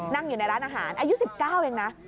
นั่งอยู่ในร้านอาหารอายุ๑๙เองนะ